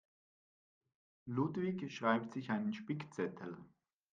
Ludwig schreibt sich einen Spickzettel.